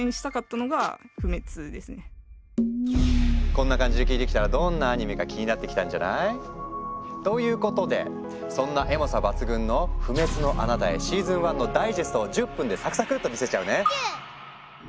こんな感じで聞いてきたらどんなアニメか気になってきたんじゃない？ということでそんなエモさ抜群のを１０分でサクサクッと見せちゃうね。